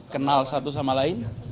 kenal satu sama lain